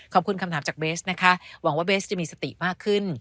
คำถามจากเบสนะคะหวังว่าเบสจะมีสติมากขึ้น